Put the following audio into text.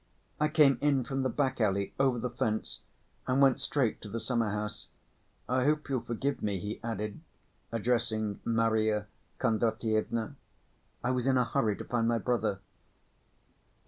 "I came in from the back‐alley, over the fence, and went straight to the summer‐house. I hope you'll forgive me," he added, addressing Marya Kondratyevna. "I was in a hurry to find my brother."